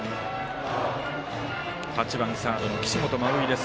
８番、サードの岸本真生です。